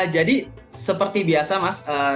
jadi seperti biasa mas